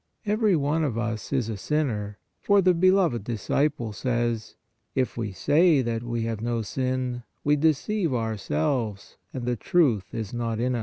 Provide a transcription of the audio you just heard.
Every one of us is a sinner, for the beloved disciple says: "If we say that we have no sin, we deceive ourselves and the truth is not in us.